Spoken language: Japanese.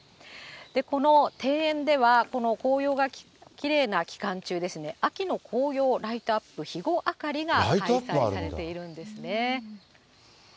この庭園では、この紅葉がきれいな期間中ですね、秋の紅葉ライトアップ・ひごあかりが開催されているんですね。